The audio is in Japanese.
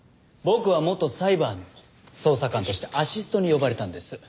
僕は元サイバーの捜査官としてアシストに呼ばれたんです。